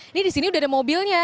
ini di sini udah ada mobilnya